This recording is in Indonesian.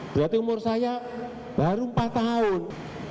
berarti umur saya baru empat tahun